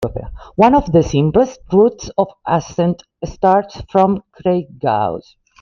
One of the simplest routes of ascent starts from Craighouse.